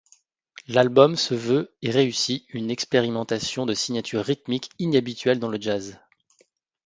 L'album se veut, et réussit, une expérimentation de signatures rythmiques inhabituelles dans le jazz.